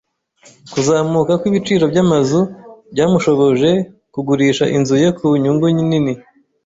Kuzamuka kw'ibiciro byamazu byamushoboje kugurisha inzu ye ku nyungu nini.